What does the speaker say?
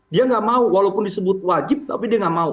dia nggak mau walaupun disebut wajib tapi dia nggak mau